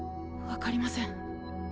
分かりません。